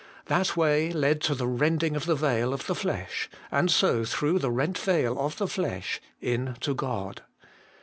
That way led to the rending of the veil of the flesh, and so through the rent veil of the flesh, in to God.